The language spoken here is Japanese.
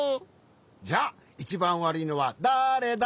じゃあいちばんわるいのはだれだ？